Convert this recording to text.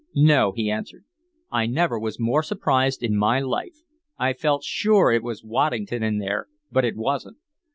"No," he answered. "I never was more surprised in my life. I felt sure it was Waddington in there, but it wasn't.